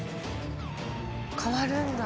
変わるんだ。